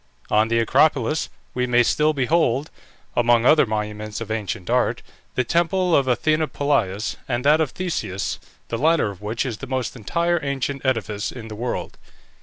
On the Acropolis we may still behold, among other monuments of ancient art, the temple of Athene Polias, and that of Theseus, the latter of which is the most entire ancient edifice in the world.